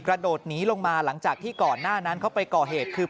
กระโดดหนีลงมาหลังจากที่ก่อนหน้านั้นเขาไปก่อเหตุคือ